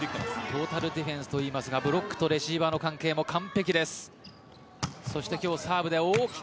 トータルディフェンスといいますが、ブロックとレシーバーの関係も完璧です。